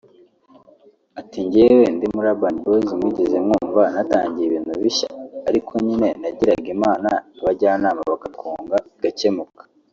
Ati "Njyewe ndi muri Urban Boys mwigeze mwumva natangije ibintu bishya ariko nyine nagiraga Imana abajyanama bakatwunga bigakemuka